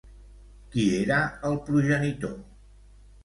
Qui era el progenitor?